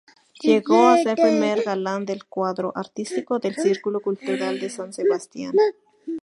Llegó a ser primer galán del cuadro artístico del Círculo Cultural de San Sebastián.